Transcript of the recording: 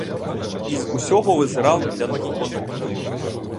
І з усього визирало для них воно.